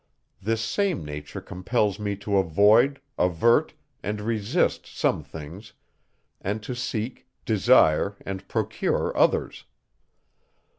This same nature compels me to avoid, avert, and resist some things, and to seek, desire, and procure others.